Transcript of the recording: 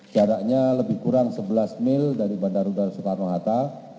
jaraknya lebih kurang sebelas mil dari bandar udara soekarno hatta